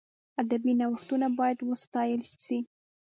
ادبي نوښتونه باید وستایل سي.